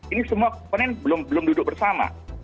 ini semua panen belum duduk bersama